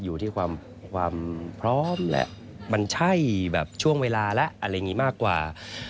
อยู่ที่ความพร้อมแหละมันใช่แบบช่วงเวลาแล้วอะไรอย่างนี้มากกว่า